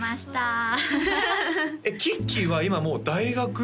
きっきーは今もう大学？